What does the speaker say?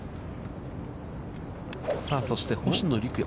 そして、星野陸也。